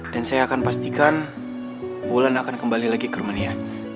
dan saya akan pastikan ulan akan kembali lagi ke romania